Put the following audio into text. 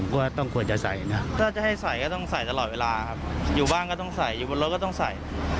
ก็น่าจะต้องใส่